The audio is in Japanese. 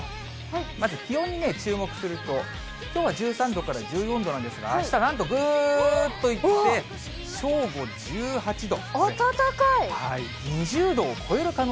まず気温に注目すると、きょうは１３度から１４度なんですが、あしたなんとぐーっといって、正午１８度。